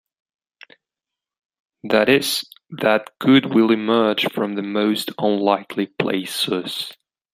That is, that good will emerge from the most unlikely places.